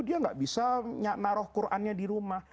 dia nggak bisa naruh qurannya di rumah